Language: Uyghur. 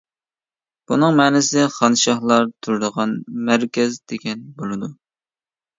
بۇنىڭ مەنىسى، خان شاھلار تۇرىدىغان مەركەز دېگەن بولىدۇ.